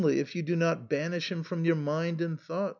191 if you do not banish him from your mind and tl^oughts.